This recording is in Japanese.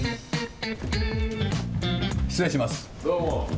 失礼します。